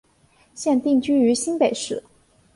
现定居于新北市。